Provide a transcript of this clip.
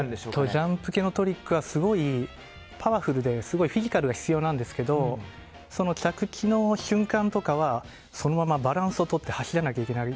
ジャンプ系のトリックはすごいパワフルですごいフィジカルが必要なんですが着地の瞬間とかはそのままバランスをとって走らなければならない。